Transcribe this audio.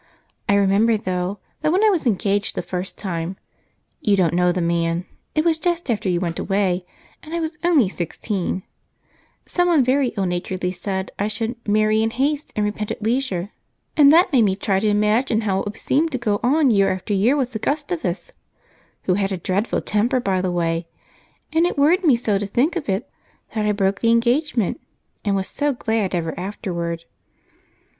I remember, though, that when I was engaged the first time you don't know the man; it was just after you went away, and I was only sixteen someone very ill naturedly said I should 'marry in haste and repent at leisure,' and that made me try to imagine how it would seem to go on year after year with Gustavus who had a dreadful temper, by the way and it worried me so to think of it that I broke the engagement, and was so glad ever afterward."